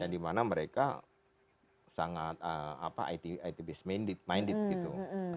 yang dimana mereka sangat apa it based minded gitu